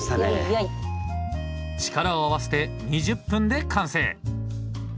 力を合わせて２０分で完成！